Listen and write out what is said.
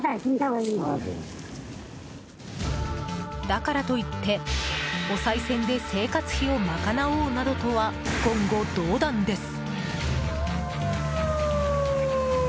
だからといって、おさい銭で生活費を賄おうなどとは言語道断です。